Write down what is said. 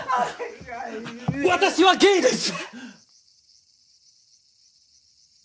私はゲイです！